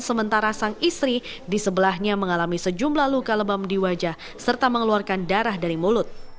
sementara sang istri di sebelahnya mengalami sejumlah luka lebam di wajah serta mengeluarkan darah dari mulut